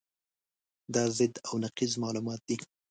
دا ضد او نقیض معلومات دي.